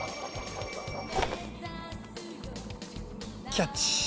キャッチ。